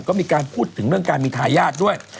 ก็มีการพูดถึงเรื่องการมีทายาทด้วย